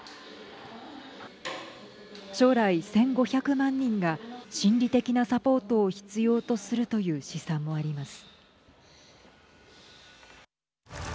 将来、１５００万人が心理的なサポートを必要とするという試算もあります。